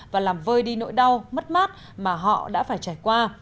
và làm vơi đi nỗi đau mất mát mà họ đã phải trải qua